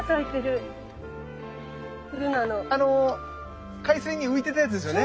これあの海水に浮いてたやつですよね？